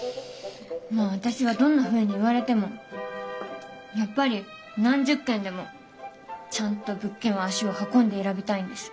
まあ私はどんなふうに言われてもやっぱり何十件でもちゃんと物件は足を運んで選びたいんです。